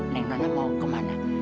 neng nona mau kemana